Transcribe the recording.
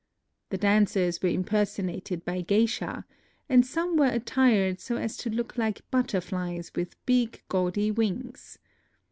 The dancers were impersonated by geisha; and some were attired so as to look like butterflies with big gaudy wings.